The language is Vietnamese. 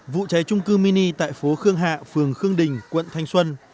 vụ cháy trung cư mini tại phố khương hạ phường khương đình quận thanh xuân